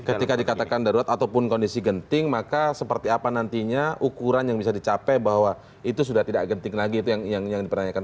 ketika dikatakan darurat ataupun kondisi genting maka seperti apa nantinya ukuran yang bisa dicapai bahwa itu sudah tidak genting lagi itu yang dipertanyakan